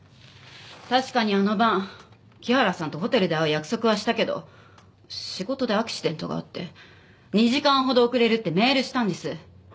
確かにあの晩木原さんとホテルで会う約束はしたけど仕事でアクシデントがあって２時間ほど遅れるってメールしたんです。